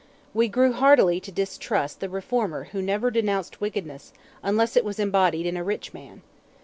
We grew heartily to distrust the reformer who never denounced wickedness unless it was embodied in a rich man.